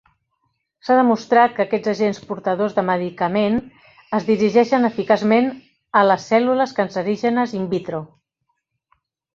S'ha demostrat que aquests agents portadors de medicament es dirigeixen eficaçment a les cèl·lules cancerígenes "in vitro".